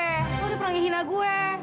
kalau lo udah pernah ngehina gue